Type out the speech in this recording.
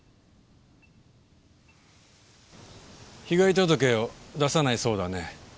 被害届を出さないそうだね。